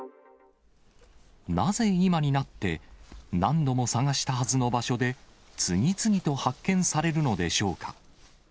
なぜ今になって、何度も捜したはずの場所で次々と発見されるのでしょうか。